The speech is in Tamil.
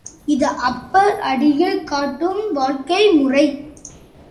இது அப்பர் அடிகள் காட்டும் வாழ்க்கை முறை.